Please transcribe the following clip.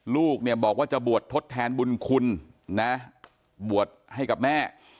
ลูกเนี่ยบอกว่าจะบวชทดแทนบุญคุณนะบวชให้กับแม่